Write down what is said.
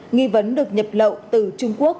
nghi vấn được nhập lậu từ trung quốc